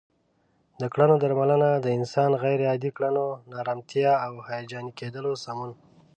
د کړنو درملنه د انسان غیر عادي کړنو، ناآرامتیا او هیجاني کیدلو سمون